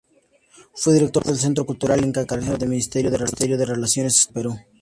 Fue director del Centro Cultural Inca Garcilaso del Ministerio de Relaciones Exteriores del Perú.